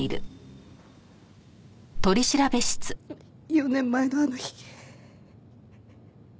４年前のあの日。